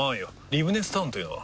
リブネスタウンというのは？